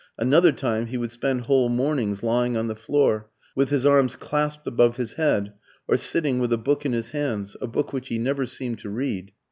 Another time, he would spend whole mornings lying on the floor, with his arms clasped above his head, or sitting with a book in his hands, a book which he never seemed to read.